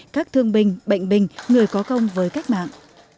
các thương binh bệnh binh người có công với cách mạng